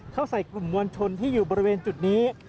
เข้าใส่กลุ่มมวลชนที่อยู่บริเวณจุดนี้